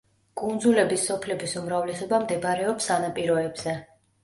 კუნძულების სოფლების უმრავლესობა მდებარეობს სანაპიროებზე.